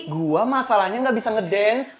gua masalahnya ga bisa ngedance